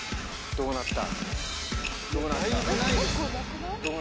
どうなった？